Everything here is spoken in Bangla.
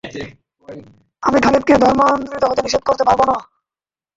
তুমি খালিদকে ধর্মান্তরিত হতে নিষেধ করতে পার না।